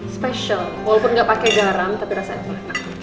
special walaupun gak pakai garam tapi rasanya enak